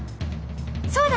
そうだ！